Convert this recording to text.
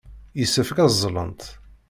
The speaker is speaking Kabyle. Yessefk ad ẓẓlent.